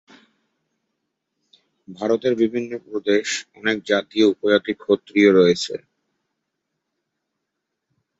ভারতের বিভিন্ন প্রদেশে অনেক জাতি ও উপজাতির ক্ষত্রিয় রয়েছে।